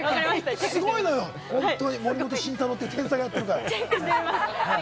すごいのよ、本当に、森本慎太郎っていう天才がやってるから。